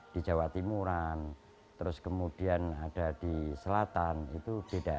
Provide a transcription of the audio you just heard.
di jawa timuran terus kemudian ada di selatan itu beda